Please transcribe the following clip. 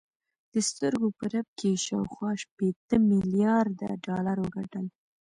د سترګو په رپ کې یې شاوخوا شپېته میلارده ډالر وګټل